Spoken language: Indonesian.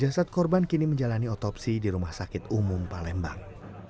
jasad korban kini menjalani otopsi di rumah sakit umum palembang